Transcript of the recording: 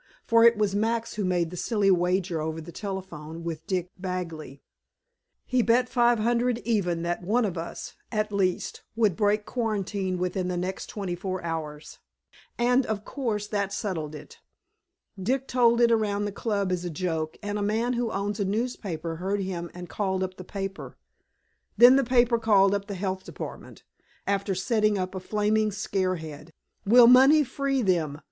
For it was Max who made the silly wager over the telephone, with Dick Bagley. He bet five hundred even that one of us, at least, would break quarantine within the next twenty four hours, and, of course, that settled it. Dick told it around the club as a joke, and a man who owns a newspaper heard him and called up the paper. Then the paper called up the health office, after setting up a flaming scare head, "Will Money Free Them?